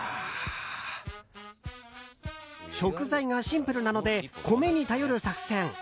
食材がシンプルなので米に頼る作戦。